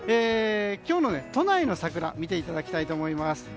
今日の都内の桜を見ていただきたいと思います。